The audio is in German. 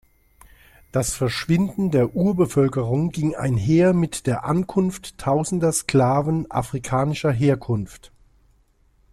Das Verschwinden der Urbevölkerung ging einher mit der Ankunft tausender Sklaven afrikanischer Herkunft.